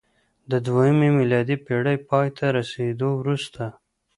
د دویمې میلادي پېړۍ پای ته رسېدو وروسته